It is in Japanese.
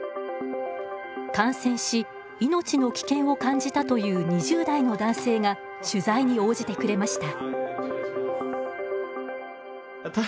感染し命の危険を感じたという２０代の男性が取材に応じてくれました。